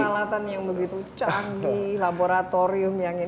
dengan peralatan yang begitu canggih laboratorium yang ini